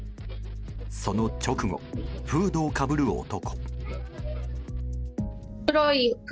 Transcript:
その直後、フードをかぶる男。